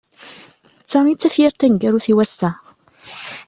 D ta i d tafyirt taneggarut i wass-a.